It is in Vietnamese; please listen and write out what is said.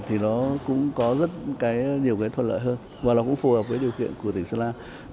thì nó cũng có rất nhiều cái thuận lợi hơn và nó cũng phù hợp với điều kiện của tỉnh sơn la